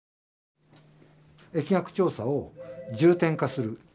疫学調査を重点化する。